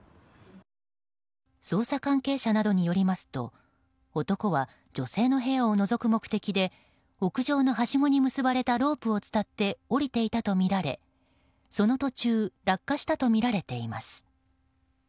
捜査関係者などによりますと男は女性の部屋をのぞく目的で屋上のはしごに結ばれたロープを伝って降りていたとみられその途中落下したとみられています。